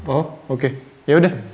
oh oke yaudah